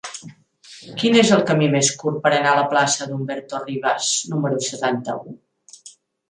Quin és el camí més curt per anar a la plaça d'Humberto Rivas número setanta-u?